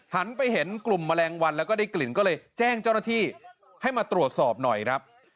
ไปเห็นกลุ่มแมลงวันแล้วก็ได้กลิ่นก็เลยแจ้งเจ้าหน้าที่ให้มาตรวจสอบหน่อยครับ